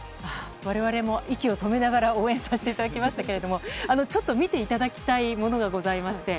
我々も息を止めながら応援させていただきましたけどもちょっと見ていただきたいのがございまして。